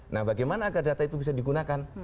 nah bagaimana agar data itu bisa digunakan